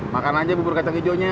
makan aja bubur kacang hijaunya